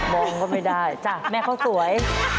องก็ไม่ได้จ้ะแม่เขาสวย